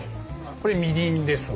これみりんです。